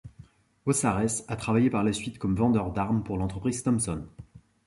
Aussaresses a travaillé par la suite comme vendeur d'armes pour l'entreprise Thomson.